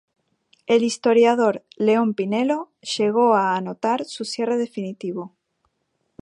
El historiador León Pinelo llegó a anotar su cierre definitivo.